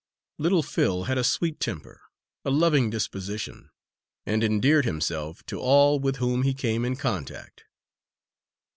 Little Phil had a sweet temper, a loving disposition, and endeared himself to all with whom he came in contact.